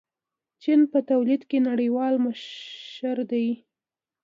چین په تولید کې نړیوال مشر دی.